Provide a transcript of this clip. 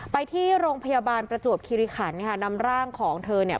ไปที่โรงพยาบาลประจวบคิริขันค่ะนำร่างของเธอเนี่ย